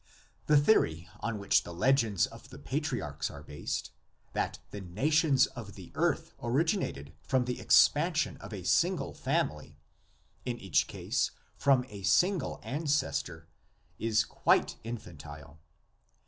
The theory on which the legends of the patriarchs are based, that the nations of the earth originated from the expansion of a single family, in each case from a single ancestor, is quite infantile.'